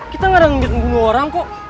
kita gak ada yang ngeliat membunuh orang kok